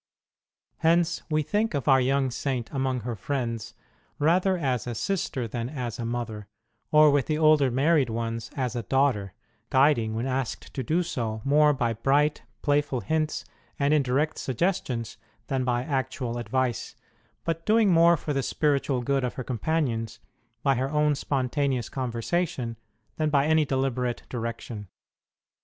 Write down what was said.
Hence, we think of our young Saint among her friends rather as a sister than as a mother or, with the older married ones, as a daughter; guiding, when asked to do so, more by bright, playful hints and indirect suggestions than by 114 ST ROSE OF LIMA actual advice, but doing more for the spiritual good of her companions by her own spontaneous conversation than by any deliberate direction.